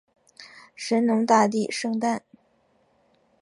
神农大帝圣诞